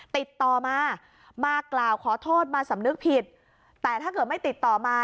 ติดต่อมามากล่าวขอโทษมาสำนึกผิดแต่ถ้าเกิดไม่ติดต่อมา